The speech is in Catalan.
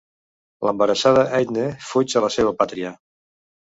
L'embarassada Eithne fuig a la seva pàtria.